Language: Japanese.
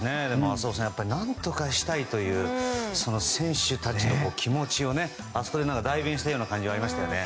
浅尾さん何とかしたいというその選手たちの気持ちを代弁したような感じでしたね。